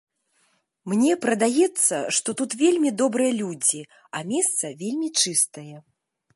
Мне прадаецца, што тут вельмі добрыя людзі, а месца вельмі чыстае.